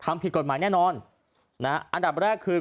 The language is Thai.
ผิดกฎหมายแน่นอนนะฮะอันดับแรกคือ